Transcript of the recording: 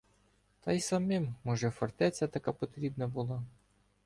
Та й самим, може, фортеця така потрібна була.